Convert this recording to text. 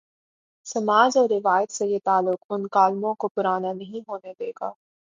سماج اور روایت سے یہ تعلق ان کالموں کوپرانا نہیں ہونے دے گا۔